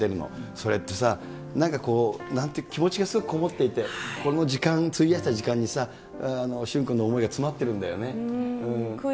それってさ、なんかこう、気持ちがすごく込もっていて、これも時間、費やした時間にさ、駿君の思いが詰まってるんだよね。